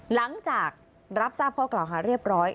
หลังจากรับทราบข้อกล่าวหาเรียบร้อย